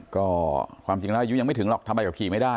ก็ความจริงแล้วอายุยังไม่ถึงหรอกทำใบขับขี่ไม่ได้